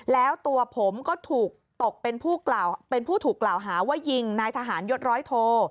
แล้วตัวผมก็ถูกตกเป็นผู้ถูกกล่าวหาว่ายิงนายทหารยศร้อยโท